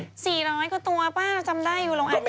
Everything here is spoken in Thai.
๔๐๐กว่าตัวป้าจำได้อยู่รองอักษรศาบนั้น